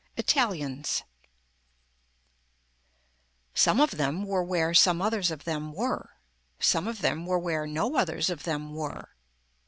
ITALIANS Some of them were where some others of them were. Some of them were where no others of them were.